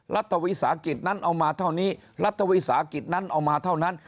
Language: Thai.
รัฐวิสาหกิจนั้นเอามาเท่านี้รัฐวิสาหกิจนั้นเอามาเท่านั้น